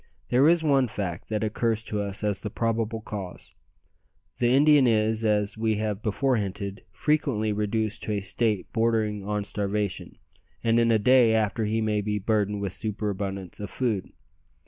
There is one fact that occurs to us as the probable cause. The Indian is, as we have before hinted, frequently reduced to a state bordering on starvation, and in a day after he may be burdened with superabundance of food.